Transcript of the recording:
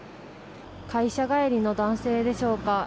会社帰りの男性でしょうか。